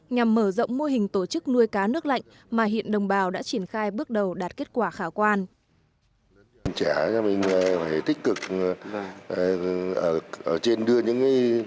nhằm mở rộng mô hình tổ chức nuôi cá nước lạnh mà hiện đồng bào đã triển khai bước đầu đạt kết quả khả quan